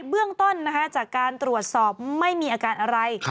เบื้องต้นนะคะจากการตรวจสอบไม่มีอาการอะไร